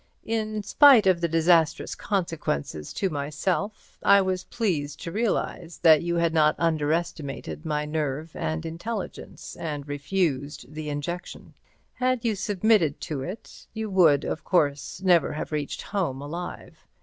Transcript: In spite of the disastrous consequences to myself, I was pleased to realize that you had not underestimated my nerve and intelligence, and refused the injection. Had you submitted to it, you would, of course, never have reached home alive.